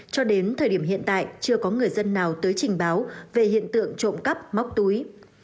cho đến thời điểm hiện tại chưa có người dân nào tới trình báo về hiện tượng trộm cắp móc túi